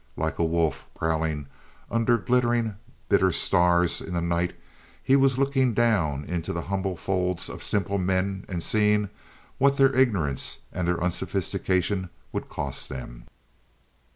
Like a wolf prowling under glittering, bitter stars in the night, he was looking down into the humble folds of simple men and seeing what their ignorance and their unsophistication would cost them.